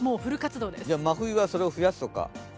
真冬はそれを増やすとか？